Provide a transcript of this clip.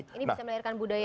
ini bisa melahirkan budaya